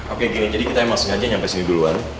oke gini jadi kita emang sengaja sampai sini duluan